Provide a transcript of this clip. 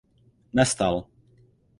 Nestal.